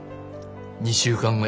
２週間後や。